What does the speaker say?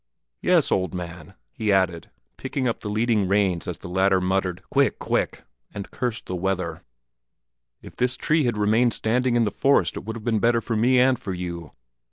"Yes, old man," he added, picking up the leading reins as the latter muttered "Quick, quick!" and cursed the weather; "if this tree had remained standing in the forest it would have been better for me and for you."